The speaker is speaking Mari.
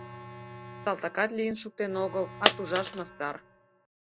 Салтакат лийын шуктен огыл, а тужаш мастар.